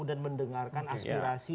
dan mendengarkan aspirasi